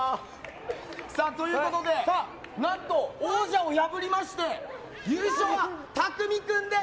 ということで何と王者を破りまして優勝は、たくみ君です！